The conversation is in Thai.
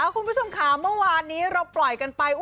คุณผู้ชมค่ะเมื่อวานนี้เราปล่อยกันไป